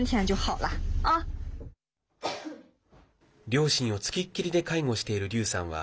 両親を付きっきりで介護している劉さんは